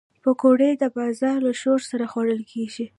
پکورې د بازار له شور سره خوړل کېږي